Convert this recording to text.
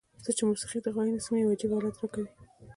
زه چې موسیقۍ ته غوږ نیسم یو عجیب حالت راکوي.